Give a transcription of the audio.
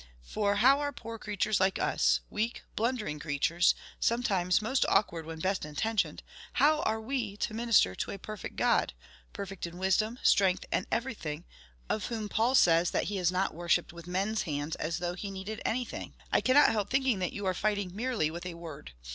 for how are poor creatures like us weak, blundering creatures, sometimes most awkward when best intentioned how are we to minister to a perfect God perfect in wisdom, strength, and everything of whom Paul says that he is not worshipped with men's hands as though he needed anything? I cannot help thinking that you are fighting merely with a word.